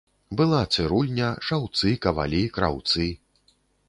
Была цырульня, шаўцы, кавалі, краўцы.